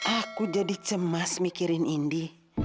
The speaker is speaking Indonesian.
aku jadi cemas mikirin indi